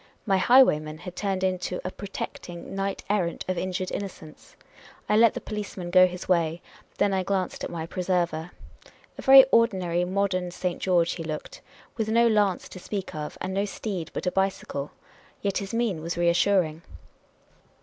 My highwayman had turned into a protecting knight errant of injured innocence. I let the policeman go his way ; then I glanced at my preserver. A very ordinary modern St. George he looked, with no lance to speak of, and no steed but a bicycle. Yet his mien was reassuring.